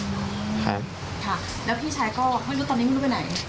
ครับค่ะแล้วพี่ชายก็ไม่รู้ตอนนี้ไม่รู้ไปไหน